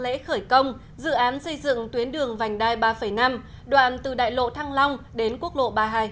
lễ khởi công dự án xây dựng tuyến đường vành đai ba năm đoạn từ đại lộ thăng long đến quốc lộ ba mươi hai